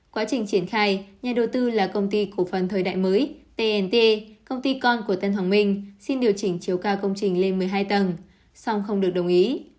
quá trình triển khai nhà đầu tư là công ty cổ phần thời đại mới tnt công ty con của tân hoàng minh xin điều chỉnh chiều cao công trình lên một mươi hai tầng song không được đồng ý